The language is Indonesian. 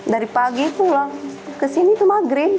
dari pagi pulang kesini tuh maghrib